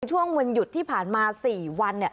ช่วงวันหยุดที่ผ่านมา๔วัน